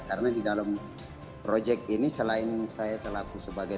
karena di dalam proyek ini selain saya selaku sebagai